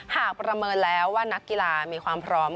ประเมินแล้วว่านักกีฬามีความพร้อม